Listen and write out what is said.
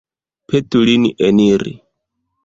Petu lin eniri.